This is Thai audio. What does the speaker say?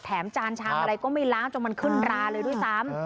จานชามอะไรก็ไม่ล้างจนมันขึ้นราเลยด้วยซ้ำ